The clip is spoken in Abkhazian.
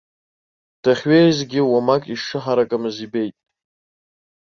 Дахьҩеизгьы уамак ишыҳаракымыз ибеит.